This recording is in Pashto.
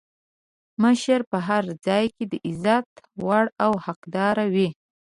مشر په هر ځای کې د عزت وړ او حقدار وي.